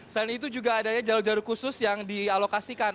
selain itu juga adanya jalur jalur khusus yang dialokasikan